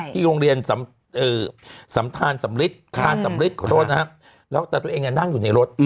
ที่โรงเรียนสำทานสำริษฐ์ขอโทษนะฮะแต่ตัวเองยังนั่งอยู่ในรถ